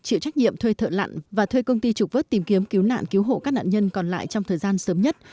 chịu trách nhiệm thuê thợ lặn và thuê công ty trục vớt tìm kiếm cứu nạn cứu hộ các nạn nhân còn lại trong thời gian sớm nhất